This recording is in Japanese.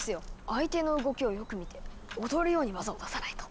相手の動きをよく見て踊るように技を出さないと。